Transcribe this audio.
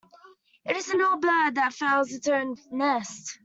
It's an ill bird that fouls its own nest.